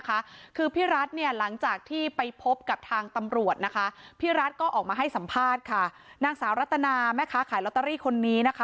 ไม่ดิเก็บล็อตเตอรี่เอาไว้เองจริง